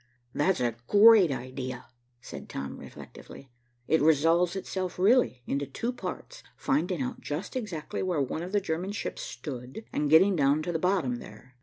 "That's a great idea," said Tom reflectively. "It resolves itself really into two parts, finding out just exactly where one of the German ships stood, and getting down to the bottom there.